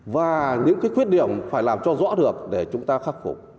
và những cái khuyết điểm phải làm cho rõ được để chúng ta khắc phục